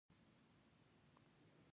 خوب د مغز اړین ضرورت دی